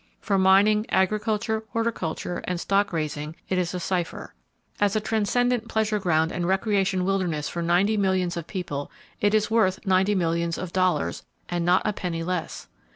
For mining, agriculture, horticulture and stock raising, it is a cipher. As a transcendant pleasure ground and recreation wilderness for ninety millions of people, it is worth ninety millions of dollars, and not a penny less.